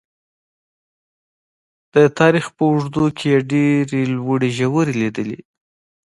تاریخ په اوږدو کې یې ډېرې لوړې ژورې لیدلي.